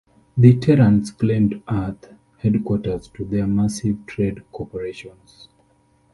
The Terrans claimed Earth, headquarters to their massive trade corporations.